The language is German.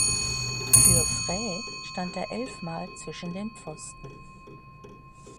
Für Phrae stand er elfmal zwischen den Pfosten.